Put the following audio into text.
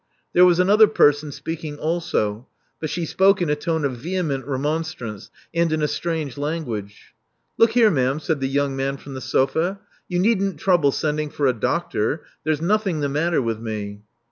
There was another person speaking also; but she spoke in a tone of veheQient remonstrance, and in a strange language. Look here, ma'am," said the young man from the sofa. *'You needn't trouble sending for a doctor. There's nothing the matter with me."